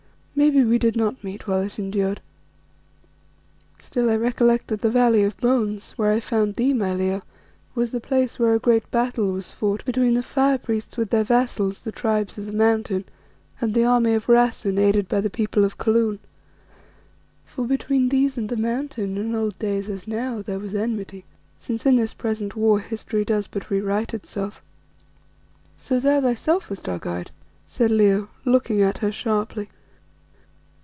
Maybe we did not meet while it endured. Still I recollect that the Valley of Bones, where I found thee, my Leo, was the place where a great battle was fought between the Fire priests with their vassals, the Tribes of the Mountain and the army of Rassen aided by the people of Kaloon. For between these and the Mountain, in old days as now, there was enmity, since in this present war history does but rewrite itself." "So thou thyself wast our guide," said Leo, looking at her sharply.